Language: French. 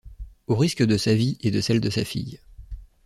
Au risque de sa vie et de celle de sa fille.